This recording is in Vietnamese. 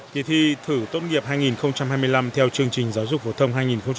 kỳ thi thử tốt nghiệp hai nghìn hai mươi năm theo chương trình giáo dục phổ thông hai nghìn hai mươi